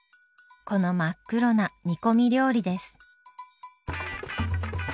この真っ黒な煮込み料理です。